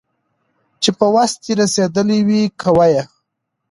چي په وس دي رسېدلي وي كوه يې